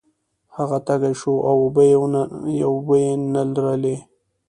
هغه تږی شو او اوبه یې نلرلې.